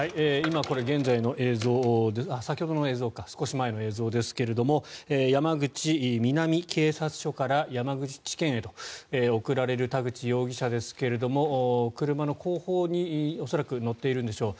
今、少し前の映像ですが山口南警察署から山口地検へと送られる田口容疑者ですが車の後方に恐らく乗っているんでしょう。